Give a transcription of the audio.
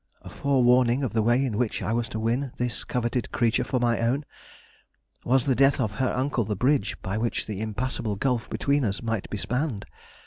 a forewarning of the way in which I was to win this coveted creature for my own? Was the death of her uncle the bridge by which the impassable gulf between us might be spanned?